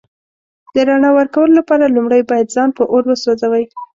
د رڼا ورکولو لپاره لومړی باید ځان په اور وسوځوئ.